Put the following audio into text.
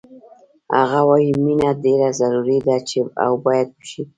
هغه وایی مینه ډېره ضروري ده او باید وشي